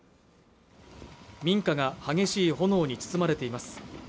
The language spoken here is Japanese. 民家が激しい炎に包まれています